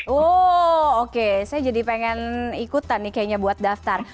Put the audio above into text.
oh oke saya jadi pengen ikutan nih kayaknya buat daftar